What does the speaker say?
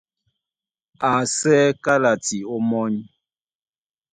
Á asɛ́ kálati ómɔ́ny.